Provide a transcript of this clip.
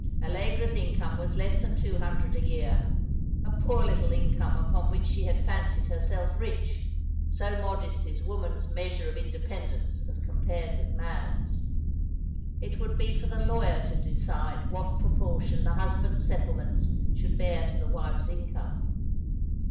Allegra's income was less than two hundred a year, a poor little income upon which she had fancied herself rich, so modest is woman's measure of inde pendence as compared with man's. It would be for the lawyer to decide what proportion the husband's settlements should bear to the wife's income.